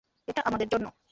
এটা আমদের জন্য!